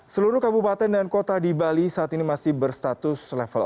seluruh kabupaten dan kota di bali saat ini masih berstatus level empat